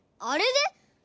あれで？